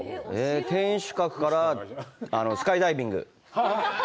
天守閣からスカイダイビング？